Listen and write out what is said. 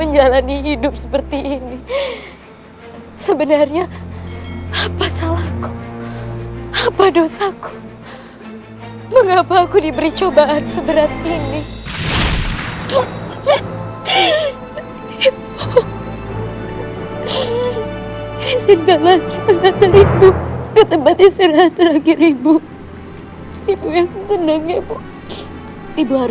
jangan sampai kabur